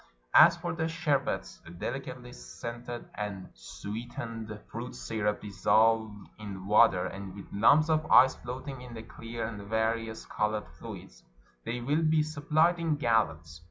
As for the sherbets (delicately scented and sweetened fruit syrups dissolved in water, and with lumps of ice floating in the clear and various colored fluids), they will be supplied in gallons.